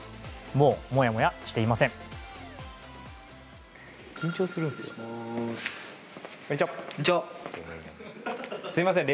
もう、もやもやしていません。